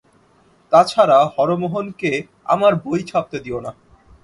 তা ছাড়া হরমোহনকে আমার বই ছাপতে দিও না।